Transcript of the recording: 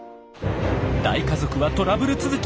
大家族はトラブル続き。